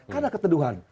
kan ada keteduhan